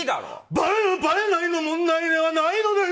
ばれるばれないの問題ではないのです！